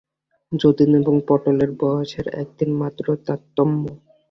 যতীন এবং পটলের বয়সের একদিন মাত্র তারতম্য।